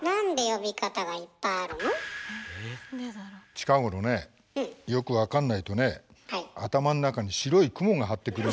近頃ねよく分かんないとね頭の中に白い雲が張ってくる。